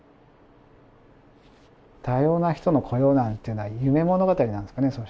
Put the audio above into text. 多様な人の雇用なんていうのは夢物語なんですかね